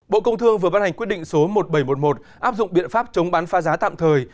bộ công thương vừa bán hành quyết định số một nghìn bảy trăm một mươi một áp dụng biện pháp chống bán pha giá tạm thời